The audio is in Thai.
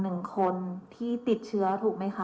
หนึ่งคนที่ติดเชื้อถูกไหมคะ